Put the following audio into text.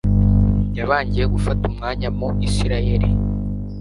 yabangiye gufata umwanya mu Isiraeli;